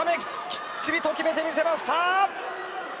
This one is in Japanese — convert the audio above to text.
きっちりと決めてみせました。